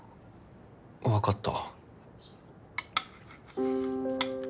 分かった。